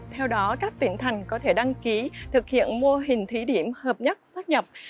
theo đó các tuyển thần có thể đăng ký thực hiện mô hình thí điểm hợp nhất xác nhập